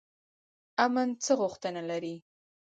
امن څه غوښتنه لري؟